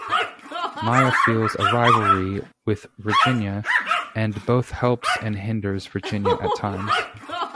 Maya feels a rivalry with Virginia, and both helps and hinders Virginia at times.